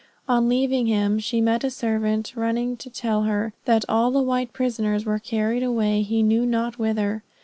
On leaving him she met a servant running to tell her that all the white prisoners were carried away he knew not whither.